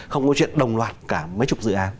không có chuyện đồng loạt cả mấy chục dự án